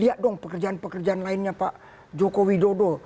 lihat dong pekerjaan pekerjaan lainnya pak jokowi dodo